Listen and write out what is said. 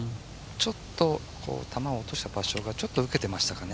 球を落とした場所がちょっと受けてましたかね。